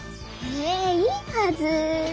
へえいいはずー。